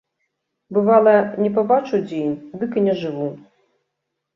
Бывала, не пабачу дзень, дык і не жыву.